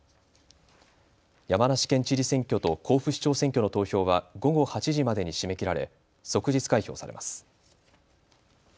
山梨県知事選挙と甲府市長選挙の投票は午後８時までに締め切られ即日開票されます。